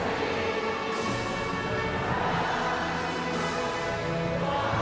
พระนึงจะให้เสียงทุกคนดังไปถึงภาพประวัติศาสตร์แทนความจงรักพักดีอีกครั้ง